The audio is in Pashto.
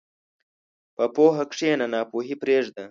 په پوهه کښېنه، ناپوهي پرېږده.